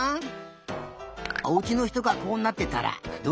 おうちのひとがこうなってたらどうする？